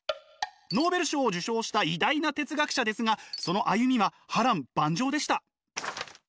ノーベル賞を受賞した偉大な哲学者ですがその歩みは波乱万丈でした。